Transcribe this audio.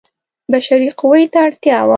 بشري قوې ته اړتیا وه.